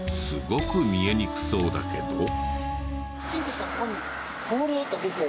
すごく見えにくそうだけど。